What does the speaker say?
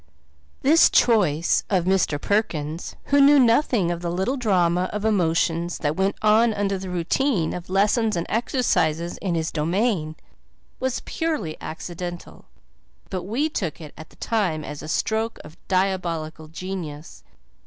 This choice of Mr. Perkins, who knew nothing of the little drama of emotions that went on under the routine of lessons and exercises in his domain, was purely accidental, but we took it at the time as a stroke of diabolical genius.